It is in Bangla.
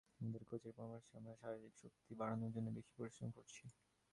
আমাদের কোচের পরামর্শে আমরা শারীরিক শক্তি বাড়ানোর জন্য বেশি পরিশ্রম করছি।